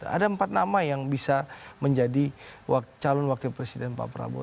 ada empat nama yang bisa menjadi calon wakil presiden pak prabowo